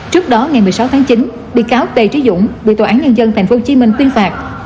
trước đó ngày một mươi sáu tháng chín bị cáo tề trí dũng bị tòa án nhân dân tp hcm tuyên phạt